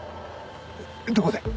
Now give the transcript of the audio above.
どこで？